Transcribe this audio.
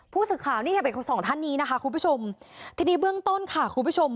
ผู้สื่อข่าวนี่ค่ะเป็นของสองท่านนี้นะคะคุณผู้ชมทีนี้เบื้องต้นค่ะคุณผู้ชม